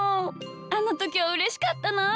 あのときはうれしかったなあ。